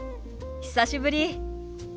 久しぶり。